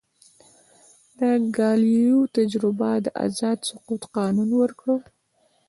د ګالیلیو تجربه د آزاد سقوط قانون ورکړ.